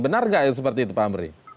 benar nggak seperti itu pak amri